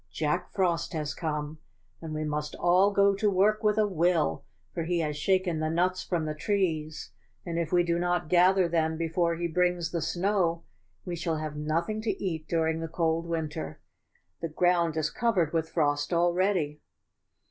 Jack Frost has come, and we must all go to work with a will, for he has shaken THE SQUIRRELS' HARVEST. G5 the nuts from the trees, and if we do not gather them before he brings the snow, we shall have nothing to eat during the cold win ter. The ground is covered with frost al ready.